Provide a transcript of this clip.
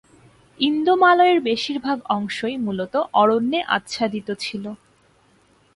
ইন্দো-মালয়ের বেশিরভাগ অংশই মূলত অরণ্যে আচ্ছাদিত ছিল।